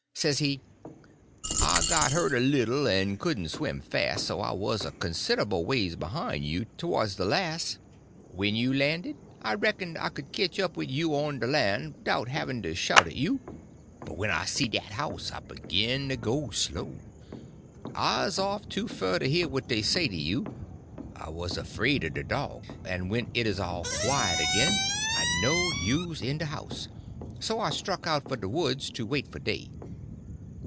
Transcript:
Says he: "I got hurt a little, en couldn't swim fas', so I wuz a considable ways behine you towards de las'; when you landed I reck'ned I could ketch up wid you on de lan' 'dout havin' to shout at you, but when I see dat house I begin to go slow. I 'uz off too fur to hear what dey say to you—I wuz 'fraid o' de dogs; but when it 'uz all quiet agin I knowed you's in de house, so I struck out for de woods to wait for day.